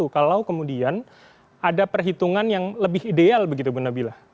kalau kemudian ada perhitungan yang lebih ideal begitu bu nabila